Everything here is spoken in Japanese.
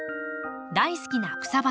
大好きな草花